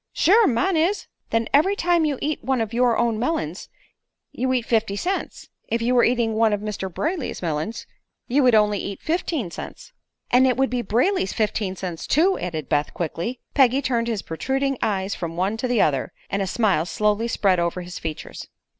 "Sure; mine is." "Then every time you eat one of your own melons you eat fifty cents. If you were eating one of Mr. Brayley's melons you would only eat fifteen cents." "And it would be Brayley's fifteen cents, too," added Beth, quickly. Peggy turned his protruding eyes from one to the other, and a smile slowly spread over his features.